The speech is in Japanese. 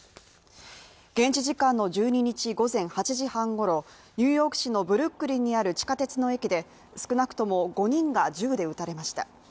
現地時間の１２日、午前８時半ごろニューヨーク市のブルックリンにある地下鉄の駅で少なくとも５人が銃で撃たれました。